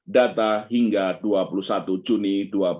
data hingga dua puluh satu juni dua ribu dua puluh